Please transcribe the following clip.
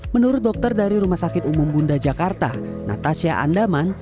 menurut dokter dari rumah sakit umum bunda jakarta natasha andaman